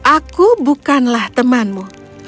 aku bukanlah temanmu